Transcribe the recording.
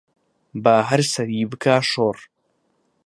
با هەر سەری بکا شۆڕ